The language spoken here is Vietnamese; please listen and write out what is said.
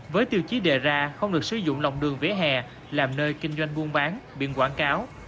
với tiêu chí đề ra không được sử dụng lòng đường vỉa hè làm nơi kinh doanh buôn bán biển quảng cáo